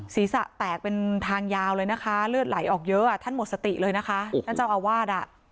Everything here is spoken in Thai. ศีรษะแตกเป็นทางยาวเลยนะคะเลือดไหลออกเยอะท่านหมดสติเลยนะคะท่านเจ้าอาวาสอ่ะ